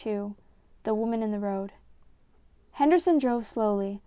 V THE WOMAN IN THE ROAD HENDERSON drove slowly.